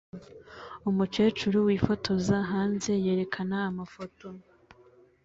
Umukecuru wifotoza hanze yerekana amafoto